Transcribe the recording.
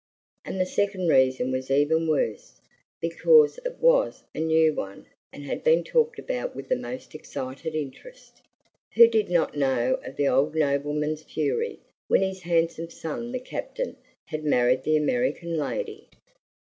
And the second reason was even worse, because it was a new one and had been talked about with the most excited interest. Who did not know of the old nobleman's fury when his handsome son the Captain had married the American lady?